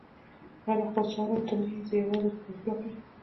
هره خوا څارم ته نه يې، زه یوازي تر افلاکه